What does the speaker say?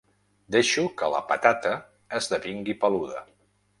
Deixo que la patata esdevingui peluda.